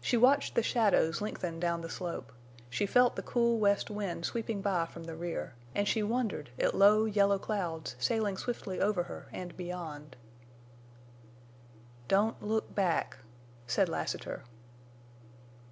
She watched the shadows lengthen down the slope; she felt the cool west wind sweeping by from the rear; and she wondered at low, yellow clouds sailing swiftly over her and beyond. "Don't look—back!" said Lassiter.